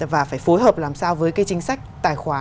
và phải phối hợp làm sao với cái chính sách tài khóa